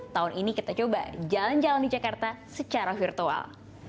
tahun ini kita coba jalan jalan di jakarta secara virtual